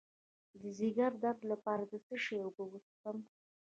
د ځیګر د درد لپاره د څه شي اوبه وڅښم؟